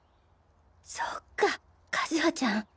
そっか和葉ちゃん